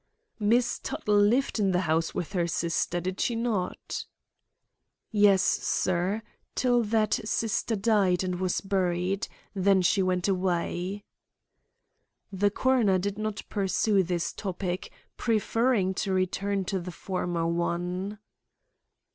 "Miss Tuttle lived in the house with her sister, did she not?" "Yes, sir; till that sister died and was buried; then she went away." The coroner did not pursue this topic, preferring to return to the former one.